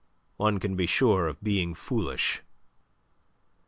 One can be sure of being foolish."